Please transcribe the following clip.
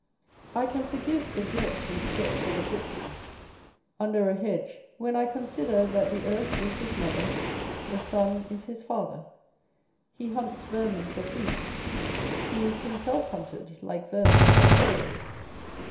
I can forgive the dirt and sweat of a gipsy under a Hot and Cold. . 241 hedge, when I consider that the earth is his mother, the sun is his father. He hunts vermin for food : lie is himself hunted like vermin for prey.